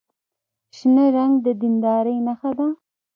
شنه رنګ د دیندارۍ نښه ده.